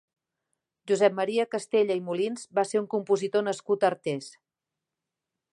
Josep Maria Castella i Molins va ser un compositor nascut a Artés.